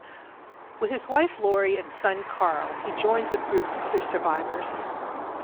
With his wife Lori and son Carl, he joins with groups other survivors.